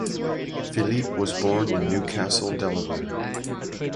Phillippe was born in New Castle, Delaware.